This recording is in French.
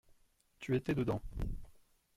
Tu étais dedans.